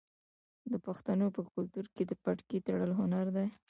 د پښتنو په کلتور کې د پټکي تړل هنر دی.